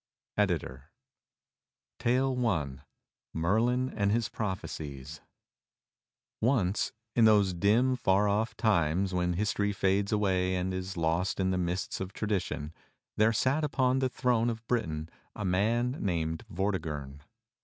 — Ed. I Mlerlln an6 H'fls ^rop^ecles O NCE, in those dim, far off times when history fades away and is lost in the mists of tradition, there sat upon the throne of Britain a man named Vortigern.